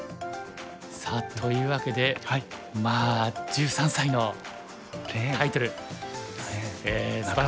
さあというわけでまあ１３歳のタイトルすばらしいですね。